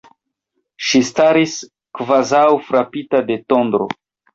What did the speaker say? Ŝi staris, kvazaŭ frapita de tondro.